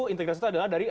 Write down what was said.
integrasi itu adalah dari